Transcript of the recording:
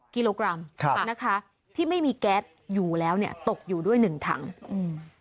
กิโลกรัมครับนะคะที่ไม่มีแก๊สอยู่แล้วเนี่ยตกอยู่ด้วยหนึ่งถังอืม